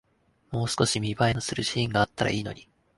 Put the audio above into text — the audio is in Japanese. もう少し見栄えのするシーンがあったらいいのに